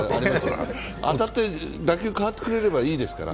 当たって打球、変わってくれればいいですから。